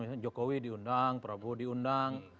misalnya jokowi diundang prabowo diundang